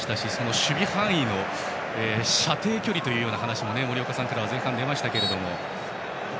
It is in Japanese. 守備範囲の射程距離という話も森岡さんからは前半に出ましたが。